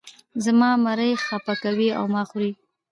زما مرۍ خپه کوې او ما خورې.